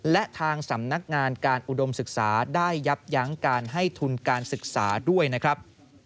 และทางสำนักงานการอุดมศึกษาได้ยับยั้งการให้ทุนการศึกษาด้วยนะครับ